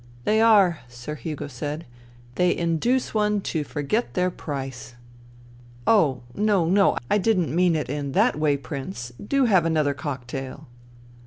" They are," Sir Hugo said. " They induce one to forget their price. ... Oh, no, no I I didn't mean it in that way. Prince. Do have another cocktail."